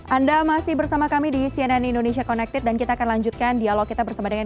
anda masih bersama kami di cnn indonesia connected dan kita akan lanjutkan dialog kita bersama dengan